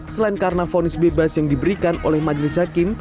selain karena fonis bebas yang diberikan oleh majelis hakim